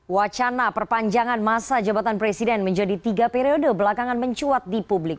wacana perpanjangan masa jabatan presiden menjadi tiga periode belakangan mencuat di publik